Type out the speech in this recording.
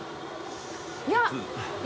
いや。